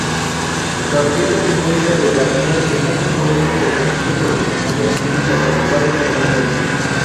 La Orquesta Sinfónica de Carmelo está compuesto por músicos profesionales y capacitados formalmente.